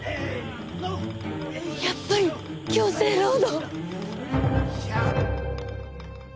やっぱり強制労働！